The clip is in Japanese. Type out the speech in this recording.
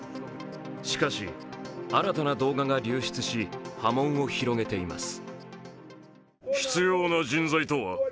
しかし、新たな動画が流出し波紋を広げています。